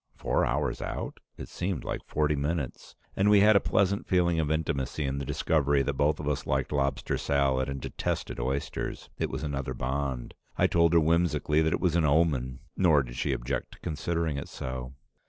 Four hours out? It seemed like forty minutes. And we had a pleasant feeling of intimacy in the discovery that both of us liked lobster salad and detested oysters. It was another bond; I told her whimsically that it was an omen, nor did she object to considering it so.